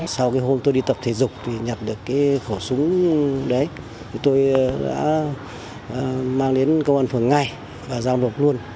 sau cái hôm tôi đi tập thể dục thì nhặt được cái khẩu súng đấy tôi đã mang đến công an phường ngay và giao nộp luôn